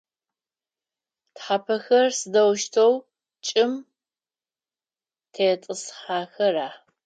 Тхьапэхэр сыдэущтэу чӏым тетӏысхьэхэра?